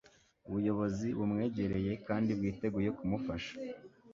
ubuyobozi bumwegereye kandi bwiteguye kumufasha.